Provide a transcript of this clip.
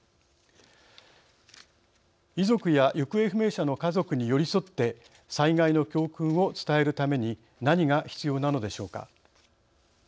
遺族や行方不明者の家族に寄り添って災害の教訓を伝えるために何が必要なのでしょうか。